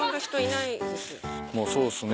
もうそうっすね。